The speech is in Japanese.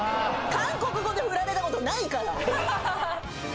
韓国語で振られた事ないから！